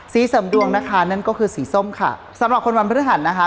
เสริมดวงนะคะนั่นก็คือสีส้มค่ะสำหรับคนวันพฤหัสนะคะ